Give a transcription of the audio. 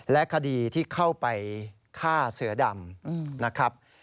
และคดีที่เข้าไปฆ่าเสือดำนะครับ